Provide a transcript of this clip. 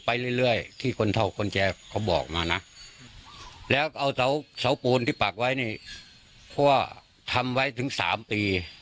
เพราะว่าทำไว้ถึง๓ปี